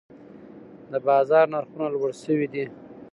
د بازار نرخونه لوړې شوي دي.